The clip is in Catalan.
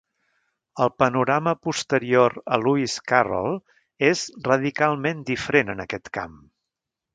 El panorama posterior a Lewis Carroll és radicalment diferent en aquest camp.